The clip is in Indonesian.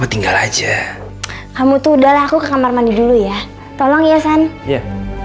tinggal aja kamu tuh udah aku ke kamar mandi dulu ya tolong ya sen ya